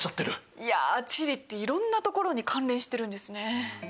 いや地理っていろんなところに関連してるんですね。